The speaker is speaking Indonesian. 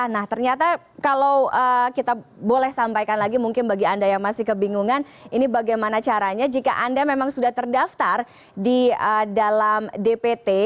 nah ternyata kalau kita boleh sampaikan lagi mungkin bagi anda yang masih kebingungan ini bagaimana caranya jika anda memang sudah terdaftar di dalam dpt